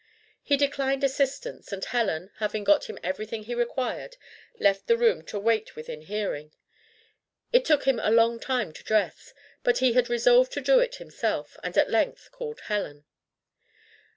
He declined assistance, and Helen, having got him everything he required, left the room to wait within hearing. It took him a long time to dress, but he had resolved to do it himself, and at length called Helen.